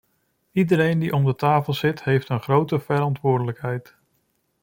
Iedereen die om de tafel zit, heeft een grote verantwoordelijkheid.